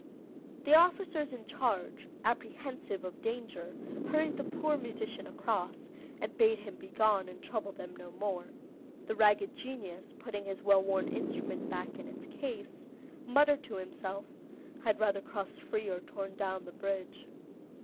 "The officers in charge, apprehensive of danger, hurried the poor musician across, and bade him begone and trouble them no more. The ragged genius, putting his well worn instrument back in its case, muttered to himself, 'I'd either crossed free or torn down the bridge.